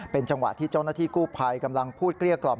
เป็นจังหวะที่เจ้าหน้าที่กู้ภัยกำลังพูดเกลี้ยกล่อม